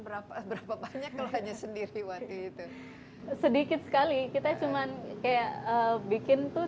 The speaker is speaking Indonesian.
berapa berapa banyak kalau hanya sendiri waktu itu sedikit sekali kita cuman kayak bikin tuh